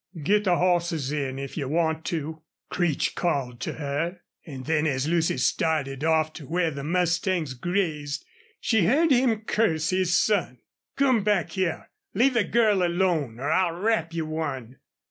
"Git the hosses in, if you want to," Creech called to her, and then as Lucy started off to where the mustangs grazed she heard him curse his son. "Come back hyar! Leave the girl alone or I'll rap you one!"